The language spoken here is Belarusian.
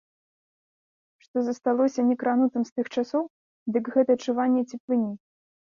Што засталося некранутым з тых часоў, дык гэта адчуванне цеплыні.